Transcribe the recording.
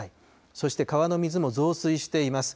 そして、川の水も増水しています。